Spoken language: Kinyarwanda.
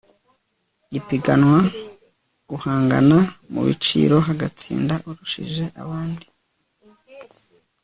ipiganwa guhangana mu biciro hagatsinda urushije abandi